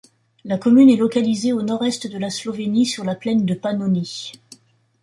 La commune est localisée au nord-est de la Slovénie sur la plaine de Pannonie.